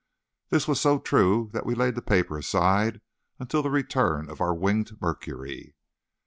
This was so true that we laid the paper aside until the return of our winged Mercury.